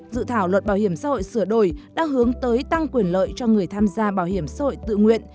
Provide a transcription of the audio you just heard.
dự thảo luật bảo hiểm xã hội sửa đổi đang hướng tới tăng quyền lợi cho người tham gia bảo hiểm xã hội tự nguyện